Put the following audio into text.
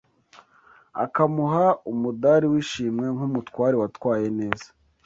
akamuha umudali w’ishimwe nk’umutware watwaye neza